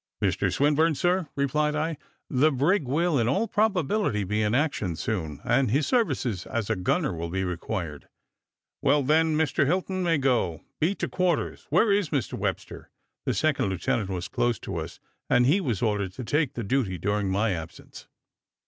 "Mr Swinburne, sir!" replied I; "the brig will, in all probability, be in action soon, and his services as a gunner will be required." "Well, then, Mr Hilton may go. Beat to quarters. Where is Mr Webster?" The second lieutenant was close to us, and he was ordered to take the duty during my absence.